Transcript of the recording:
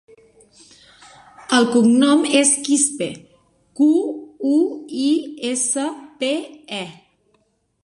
El cognom és Quispe: cu, u, i, essa, pe, e.